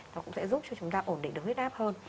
nó cũng sẽ giúp cho chúng ta ổn định được huyết áp hơn